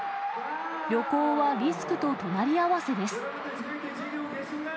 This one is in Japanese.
旅行はリスクと隣り合わせです。